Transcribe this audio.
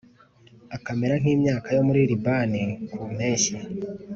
akamera nk’imyaka yo muri Libani ku mpeshyi.